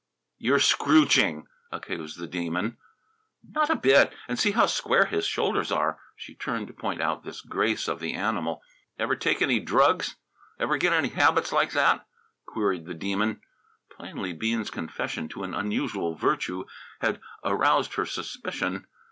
"You're scrooching!" accused the Demon. "Not a bit! and see how square his shoulders are!" She turned to point out this grace of the animal. "Ever take any drugs? Ever get any habits like that?" queried the Demon. Plainly Bean's confession to an unusual virtue had aroused her suspicion.